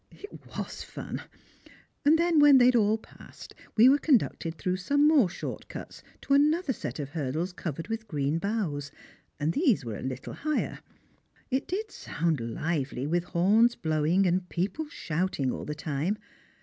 It was fun. Then, when they had all passed, we were conducted through some more short cuts to another set of hurdles covered with green boughs, and these were a little higher. It did sound lively, with horns blowing and people shouting all the time.